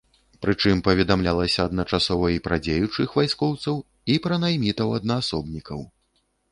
Прычым паведамлялася адначасова і пра дзеючых вайскоўцаў, і пра наймітаў-аднаасобнікаў.